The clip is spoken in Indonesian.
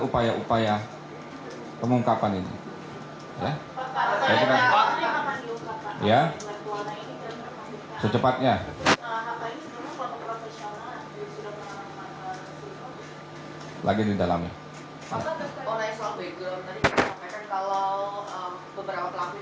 upaya upaya pengungkapan ini ya ya secepatnya lagi di dalamnya kalau beberapa pelaku ini kan